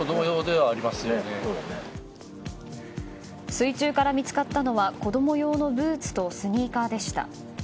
水中から見つかったのは子供用のブーツとスニーカーでした。